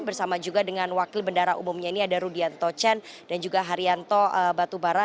bersama juga dengan wakil bendara umumnya ini ada rudianto chen dan juga haryanto batubara